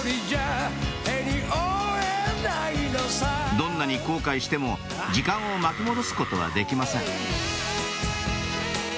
どんなに後悔しても時間を巻き戻すことはできません